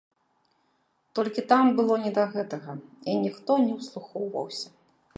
Толькі там было не да гэтага і ніхто не ўслухоўваўся.